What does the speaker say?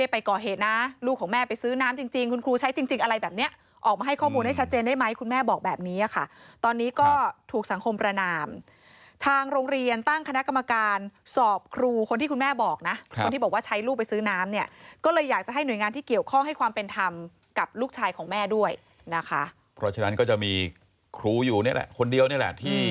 ไปก่อเหตุนะลูกของแม่ไปซื้อน้ำจริงจริงคุณครูใช้จริงจริงอะไรแบบเนี้ยออกมาให้ข้อมูลให้ชัดเจนได้ไหมคุณแม่บอกแบบนี้อะค่ะตอนนี้ก็ถูกสังคมประนามทางโรงเรียนตั้งคณะกรรมการสอบครูคนที่คุณแม่บอกนะครับคนที่บอกว่าใช้ลูกไปซื้อน้ำเนี้ยก็เลยอยากจะให้หน่วยงานที่เกี่ยวข้องให้ความเป็นธรรมกับล